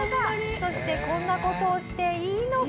そしてこんな事をしていいのか？